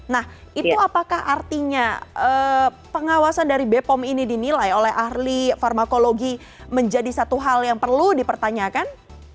nah itu apakah artinya pengawasan dari bepom ini dinilai oleh ahli farmakologi menjadi satu hal yang perlu dipertanyakan